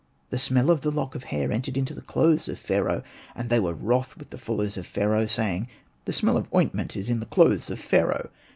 The smell of the lock of hair entered into the clothes of Pharaoh ; and they were wroth with the fullers of Pharaoh, saying, ''The smell of ointment is in the clothes of Pharaoh."